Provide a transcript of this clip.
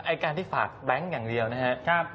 การที่ฝากแบงค์อย่างเดียวนะครับ